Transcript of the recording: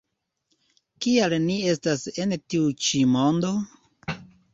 Kial ni estas en tiu ĉi mondo?